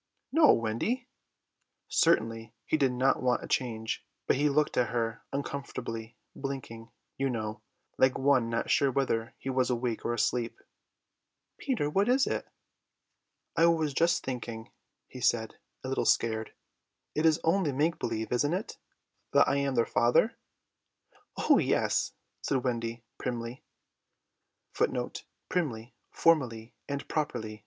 "No, Wendy." Certainly he did not want a change, but he looked at her uncomfortably, blinking, you know, like one not sure whether he was awake or asleep. "Peter, what is it?" "I was just thinking," he said, a little scared. "It is only make believe, isn't it, that I am their father?" "Oh yes," Wendy said primly.